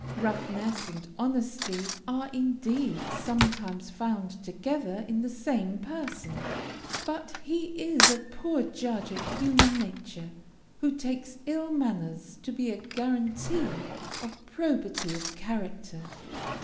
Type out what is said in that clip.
Roughness and honesty are indeed sometimes found together in the same person, but he is a poor judge of human nature who takes ill manners to be a guarantee of probity of character.